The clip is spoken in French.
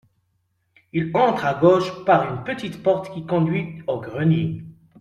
Il entre à gauche par une petite porte qui conduit au grenier.